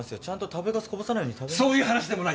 ちゃんと食べかすこぼさないように。